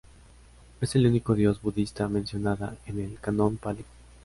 Es el único dios budista mencionada en el "Canon Pali".